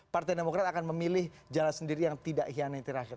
partai demokrat akan memilih jalan sendiri yang tidak hianati rakyat